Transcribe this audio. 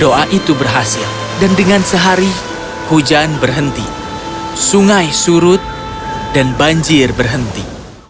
doa itu berhasil dan dengan sehari hujan berhenti sungai surut dan banjir berhenti